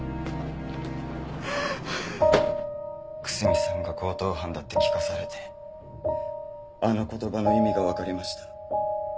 楠見さんが強盗犯だって聞かされてあの言葉の意味がわかりました。